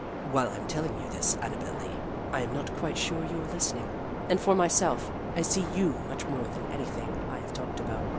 While I'm telling you this, Annabel Lee, I am not quite sure you are listening and for myself, I see you much more than anything I have talked about.